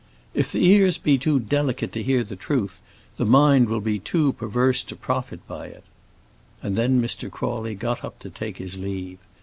"If the ears be too delicate to hear the truth, the mind will be too perverse to profit by it." And then Mr. Crawley got up to take his leave.